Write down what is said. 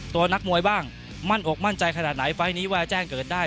ตัวนักมวยบ้างมั่นอกมั่นใจขนาดไหนไฟล์นี้ว่าแจ้งเกิดได้